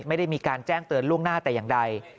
ไม่ได้มีการแจ้งเตือนล่วงหน้าแต่อย่างใด